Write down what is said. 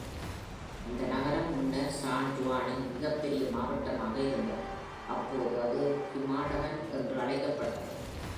இந்த நகரம் முன்னர் சான் ஜுவானின் மிகப்பெரிய மாவட்டமாக இருந்தது, அப்போது அது "ஹிமாடகன்" என்று அழைக்கப்பட்டது.